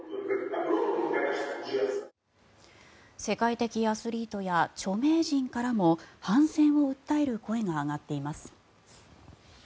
世界的アスリートや著名人からも反戦を訴える声が上がっています。